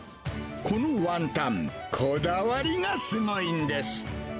このワンタン、こだわりがすごいんです。